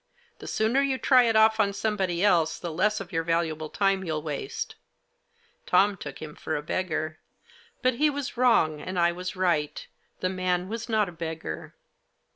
The sooner you try it off on somebody else, the less of your valuable time you'll waste." Tom took him for a beggar. But he was wrong, and I was right ; the man was not a beggar.